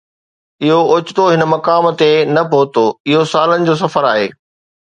اهو اوچتو هن مقام تي نه پهتو، اهو سالن جو سفر آهي.